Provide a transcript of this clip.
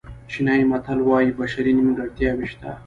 چینایي متل وایي بشري نیمګړتیاوې شته.